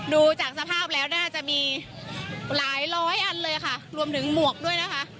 ดูจากสภาพแล้วน่าจะมีหลายร้อยอันเลยค่ะรวมถึงหมวกด้วยนะคะ